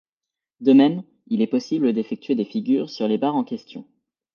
De même, il est possible d'effectuer des figures sur les barres en question.